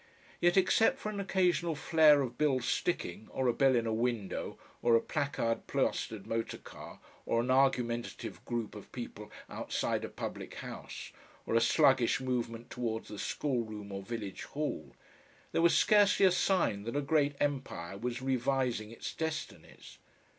Yet except for an occasional flare of bill sticking or a bill in a window or a placard plastered motor car or an argumentative group of people outside a public house or a sluggish movement towards the schoolroom or village hall, there was scarcely a sign that a great empire was revising its destinies.